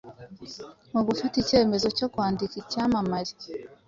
Mu gufata icyemezo cyo kwandika icyamamare,